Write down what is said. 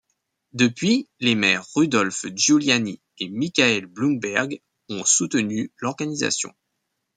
Depuis, les maires Rudolph Giuliani et Michael Bloomberg ont soutenu l’organisation.